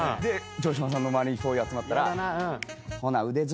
城島さんの周りに集まったら。